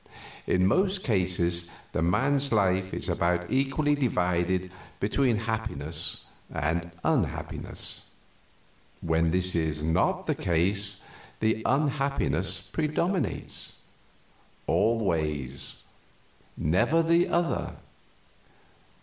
In most cases the man's life is about equally divided between happiness and unhappiness. When this is not the case the unhappiness predominates always; never the other.